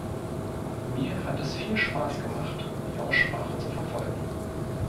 Mir hat es viel Spaß gemacht, die Aussprache zu verfolgen.